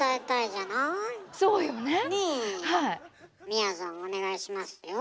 みやぞんお願いしますよ。